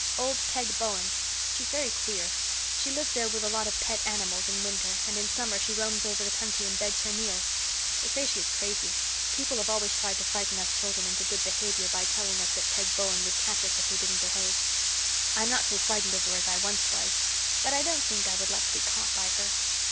"Old Peg Bowen. She's very queer. She lives there with a lot of pet animals in winter, and in summer she roams over the country and begs her meals. They say she is crazy. People have always tried to frighten us children into good behaviour by telling us that Peg Bowen would catch us if we didn't behave. I'm not so frightened of her as I once was, but I don't think I would like to be caught by her.